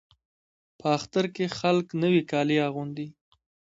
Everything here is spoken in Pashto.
په اختر کې خلک نوي کالي اغوندي.